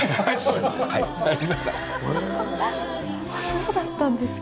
そうだったんですか。